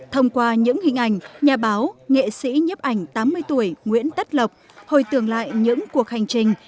thông qua những hình ảnh nhà báo nghệ sĩ nhấp ảnh tám mươi tuổi nguyễn tất lộc hồi tưởng lại những cuộc hành trình